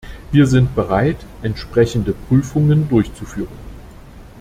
Wir sind bereit, entsprechende Prüfungen durchzuführen.